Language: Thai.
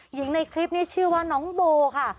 หญิงในคลิปนี้ชื่อว่าน้องโบค่ะ